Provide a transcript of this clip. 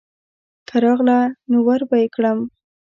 که راغله نو وربه یې کړم.